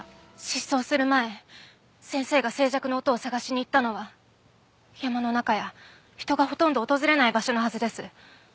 失踪する前先生が静寂の音を探しに行ったのは山の中や人がほとんど訪れない場所のはずです。